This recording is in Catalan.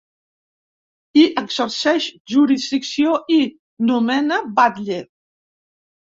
Hi exerceix jurisdicció i nomena batlle.